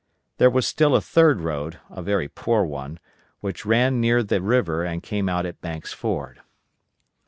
There was still a third road, a very poor one, which ran near the river and came out at Banks' Ford.